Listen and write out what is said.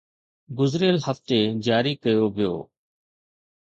گذريل هفتي جاري ڪيو ويو